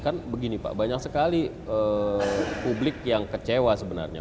kan begini pak banyak sekali publik yang kecewa sebenarnya